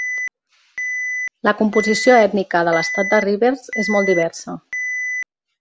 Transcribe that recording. La composició ètnica de l'estat de Rivers és molt diversa.